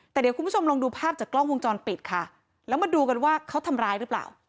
แต่เดี๋ยวคุณผู้ชมลองดูภาพจากกล้องวงจรปิดค่ะแล้วมาดูกันว่าเขาทำร้ายหรือเปล่า